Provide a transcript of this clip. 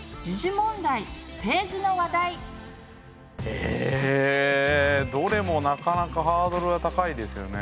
えどれもなかなかハードルが高いですよね。